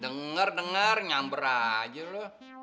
dengar dengar nyamber aja loh